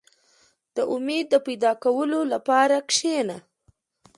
• د امید د پیدا کولو لپاره کښېنه.